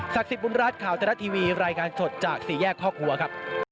ศักดิ์สิทธิ์บุญรัฐข่าวจรัฐทีวีรายการจดจากสี่แยกครอบครัวครับ